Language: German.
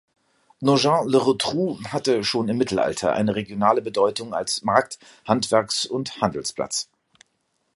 Nogent-le-Rotrou hatte schon im Mittelalter eine regionale Bedeutung als Markt-, Handwerks- und Handelsplatz.